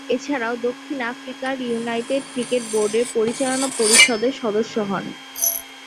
এছাড়াও দক্ষিণ আফ্রিকার ইউনাইটেড ক্রিকেট বোর্ডের পরিচালনা পরিষদের সদস্য হন।